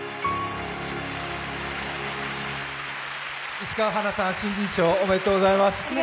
石川花さん、新人賞おめでとうございます。